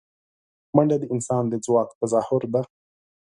منډه د انسان د ځواک تظاهره ده